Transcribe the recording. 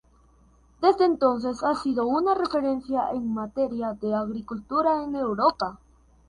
Desde entonces ha sido una referencia en materia de agricultura en Europa.